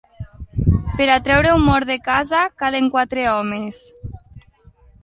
Per a treure un mort de casa, calen quatre homes.